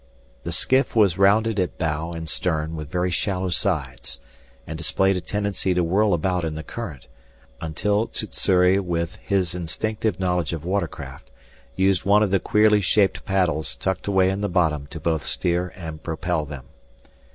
The skiff was rounded at bow and stern with very shallow sides and displayed a tendency to whirl about in the current, until Sssuri, with his instinctive knowledge of watercraft, used one of the queerly shaped paddles tucked away in the bottom to both steer and propel them.